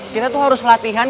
kita tuh harus latihan